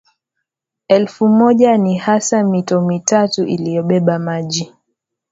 Elfu moja Ni hasa mito mitatu inayobeba maji